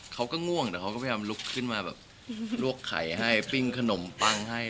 เขาก็ง่วงแต่เขาก็พยายามลุกขึ้นมาแบบลวกไข่ให้ปิ้งขนมปังให้